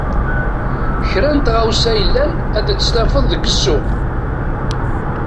Kra n tɣawsa yellan, ad tt-tafeḍ deg ssuq.